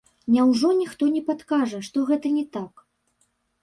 Няўжо ніхто не падкажа, што гэта не так?